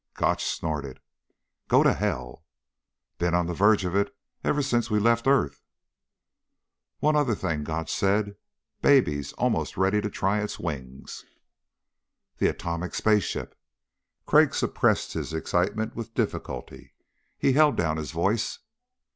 Gotch snorted: "Go to hell." "Been on the verge of it ever since we left earth." "One other thing," Gotch said. "Baby's almost ready to try its wings." The atomic spaceship! Crag suppressed his excitement with difficulty. He held down his voice.